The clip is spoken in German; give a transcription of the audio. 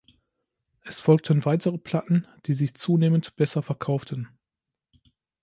Es folgten weitere Platten, die sich zunehmend besser verkauften.